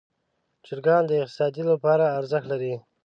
چرګان د اقتصاد لپاره ارزښت لري.